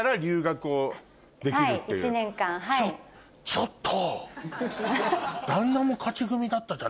ちょっと！